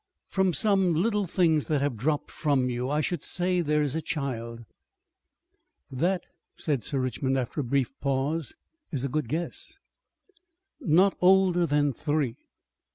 "From some little things that have dropped from you, I should say there is a child." "That," said Sir Richmond after a brief pause, "is a good guess." "Not older than three."